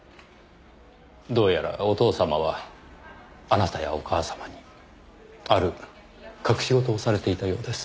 どうやらお父様はあなたやお母様にある隠し事をされていたようです。